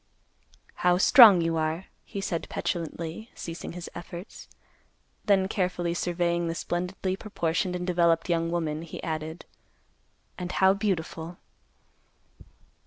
"How strong you are," he said petulantly; ceasing his efforts. Then carefully surveying the splendidly proportioned and developed young woman, he added, "And how beautiful!"